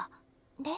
で？